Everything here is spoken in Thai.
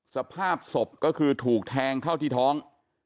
สภาพศพก็คือถูกแทงเข้าที่ท้อง